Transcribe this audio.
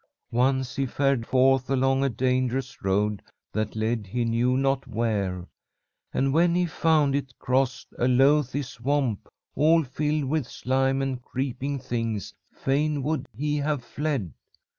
"Once he fared forth along a dangerous road that led he knew not where, and, when he found it crossed a loathly swamp all filled with slime and creeping things, fain would he have fled.